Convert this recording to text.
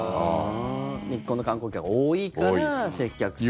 日本の観光客が多いから接客するために。